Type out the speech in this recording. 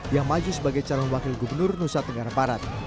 yang maju sebagai calon wakil gubernur nusa tenggara barat